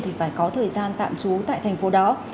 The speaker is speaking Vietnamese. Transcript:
thì phải có thời gian tạm trú tại thành phố đó